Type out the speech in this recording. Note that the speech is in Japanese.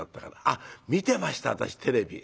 「あっ見てました私テレビ。